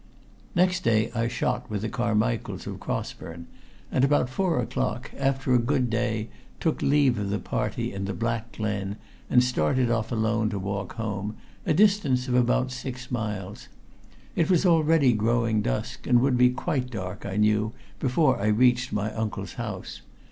Next day I shot with the Carmichaels of Crossburn, and about four o'clock, after a good day, took leave of the party in the Black Glen, and started off alone to walk home, a distance of about six miles. It was already growing dusk, and would be quite dark, I knew, before I reached my uncle's house.